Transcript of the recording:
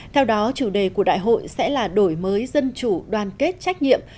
theo đó chủ đề của đại hội sẽ là đổi mới dân chủ đoàn kết trách nhiệm